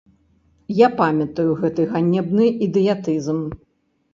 Я памятаю гэты ганебны ідыятызм.